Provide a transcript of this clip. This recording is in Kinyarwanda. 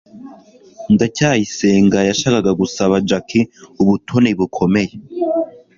ndacyayisenga yashakaga gusaba jaki ubutoni bukomeye